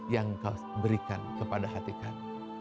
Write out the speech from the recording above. yang kau berikan kepada hati kami